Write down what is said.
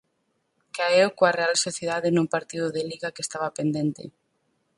Caeu coa Real Sociedade nun partido de Liga que estaba pendente.